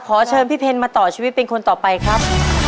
ขอเชิญพี่เพลมาต่อชีวิตเป็นคนต่อไปครับ